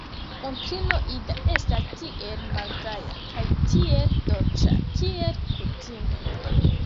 Onklino Ida estas tiel malgaja kaj tiel dolĉa, kiel kutime.